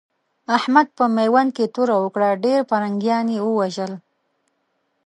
احمد په ميوند کې توره وکړه؛ ډېر پرنګيان يې ووژل.